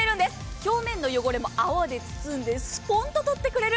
表面の汚れも泡で包んでスポンと取ってくれる。